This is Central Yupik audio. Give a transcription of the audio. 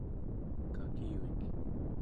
kakivik